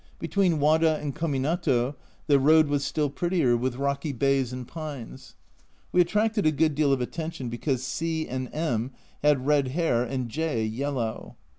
Between Wada and Kominato the road was still prettier, with rocky bays and pines. We attracted a good deal of attention, because C and M had red hair and J yellow.